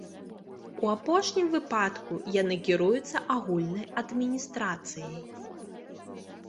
У апошнім выпадку яны кіруюцца агульнай адміністрацыяй.